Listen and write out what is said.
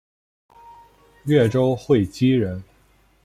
越州会稽人。